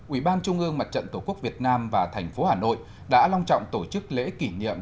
ủy ban trung ương mặt trận tổ quốc việt nam và thành phố hà nội đã long trọng tổ chức lễ kỷ niệm